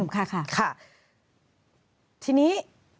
ค่ะค่ะทีนี้